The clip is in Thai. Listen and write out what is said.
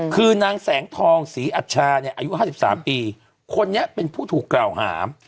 คือนางแสงทองศรีอัชชาเนี่ยอายุ๕๓ปีคนนี้เป็นผู้ถูกกล่าวหา